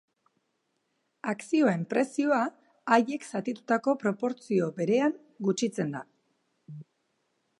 Akzioen prezioa haiek zatitutako proportzio berean gutxitzen da.